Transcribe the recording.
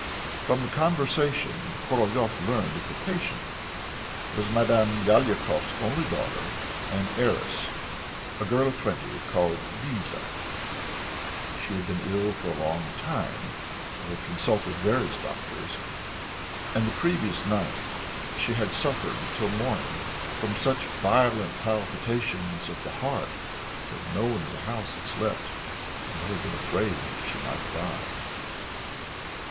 From the conversation Korolyov learned that the patient was Madame Lyalikov's only daughter and heiress, a girl of twenty, called Liza; she had been ill for a long time, and had consulted various doctors, and the previous night she had suffered till morning from such violent palpitations of the heart, that no one in the house had slept, and they had been afraid she might die.